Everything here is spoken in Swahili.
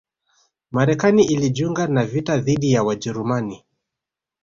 Marekani ilijiunga na vita dhidi ya Wajerumani